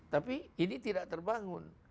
tapi ini tidak terbangun